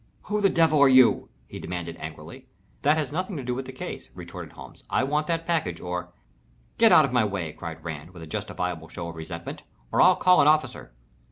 "Who the devil are you?" he demanded, angrily. "That has nothing to do with the case." retorted Holmes. "I want that package or " "Get out of my way!" cried Rand, with a justifiable show of resentment. "Or I'll call an officer."